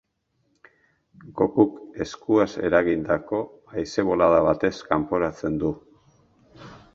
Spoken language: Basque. Gokuk eskuaz eragindako haize bolada batez kanporatzen du.